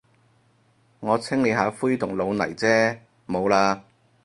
我清理下灰同老泥啫，冇喇。